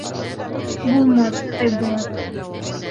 — Булмаҫ, Айбулат.